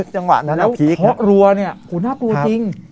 จังหวะนั้นอะพีคแล้วค๋อรั้วเนี้ยโถ่น่ากลัวจริง